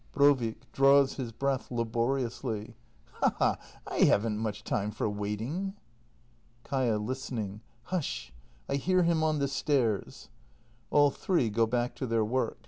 Brovik. [Draws his breath laboriously.] Ha — ha —! I haven't much time for waiting. Kaia. [Listening.] Hush! I hear him on the stairs. [All three go back to their work.